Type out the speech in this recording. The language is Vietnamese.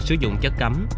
sử dụng chất cấm